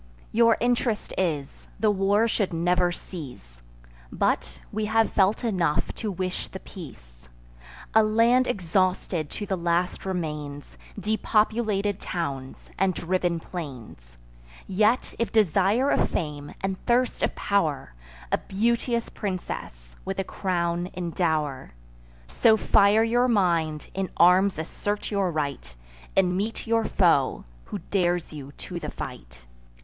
Your interest is, the war should never cease; But we have felt enough to wish the peace: A land exhausted to the last remains, Depopulated towns, and driven plains. Yet, if desire of fame, and thirst of pow'r, A beauteous princess, with a crown in dow'r, So fire your mind, in arms assert your right, And meet your foe, who dares you to the fight.